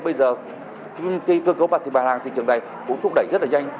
bây giờ khi cơ cấu bằng thị trường này cũng thúc đẩy rất là nhanh